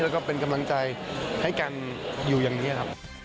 แล้วก็เป็นกำลังใจให้กันอยู่อย่างนี้ครับ